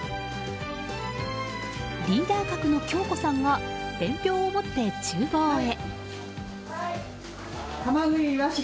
リーダー格の京子さんが伝票を持って厨房へ。